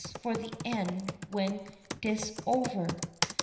for the end when 'tis over.)